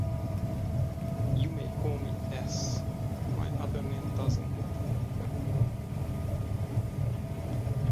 You may call me 'S'. My other name doesn't matter.